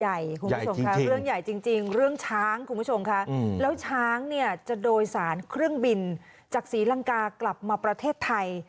คุณผู้ชมค่ะเรื่องใหญ่จริงเรื่องช้างคุณผู้ชมค่ะแล้วช้างเนี่ยจะโดยสารเครื่องบินจากศรีลังกากลับมาประเทศไทย